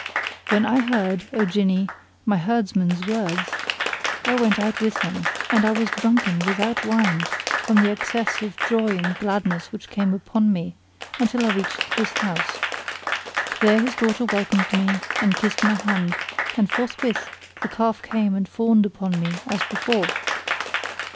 When I heard, O Jinni, my herdsman's words, I went out with him, and I was drunken without wine, from the excess of joy and gladness which came upon me, until I reached his house. There his daughter welcomed me and kissed my hand, and forthwith the calf came and fawned upon me as before.